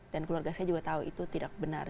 dan keluarga saya juga tahu itu tidak benar